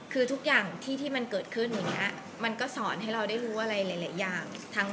คือทุกอย่างที่มันเกิดขึ้นอย่างนี้มันก็สอนให้เราได้รู้อะไรหลายอย่าง